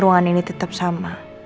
ruangan ini tetap sama